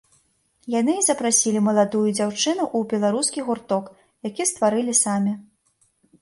Яны і запрасілі маладую дзяўчыны ў беларускі гурток, які стварылі самі.